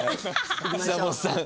久本さん